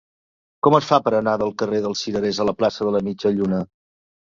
Com es fa per anar del carrer dels Cirerers a la plaça de la Mitja Lluna?